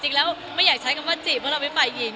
จริงแล้วไม่อยากใช้คำว่าจีบเพราะเราไม่ฝ่ายหญิง